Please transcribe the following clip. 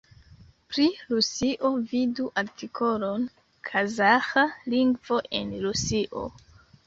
Pri Rusio vidu artikolon Kazaĥa lingvo en Rusio.